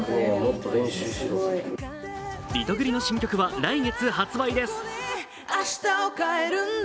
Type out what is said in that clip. リトグリの新曲は来月発売です。